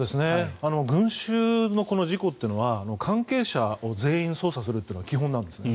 群衆の事故っていうのは関係者を全員捜査するっていうのが基本なんですね。